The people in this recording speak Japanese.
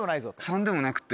３でもなくって。